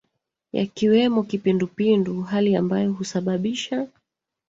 yakiwemo kipindupindu hali ambayo husababisha